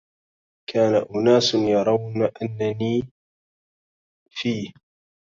كان أناس يرون أني في